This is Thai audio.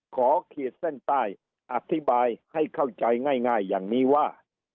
ขีดเส้นใต้อธิบายให้เข้าใจง่ายอย่างนี้ว่า